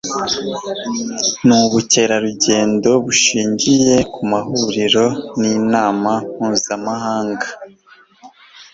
n'ubukerarugendo bushingiye ku mahuriro n'inama mpuzamahanga